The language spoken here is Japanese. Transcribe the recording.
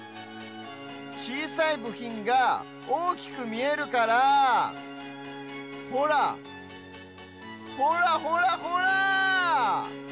ちいさいぶひんがおおきくみえるからほらほらほらほら！